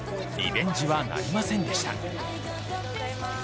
リベンジはなりませんでした。